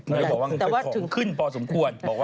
นายกบอกว่าขึ้นพอสมควร